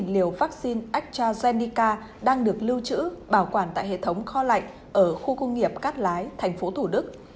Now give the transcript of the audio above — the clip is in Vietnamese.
tám trăm ba mươi sáu liều vaccine astrazeneca đang được lưu trữ bảo quản tại hệ thống kho lạnh ở khu công nghiệp cát lái tp thủ đức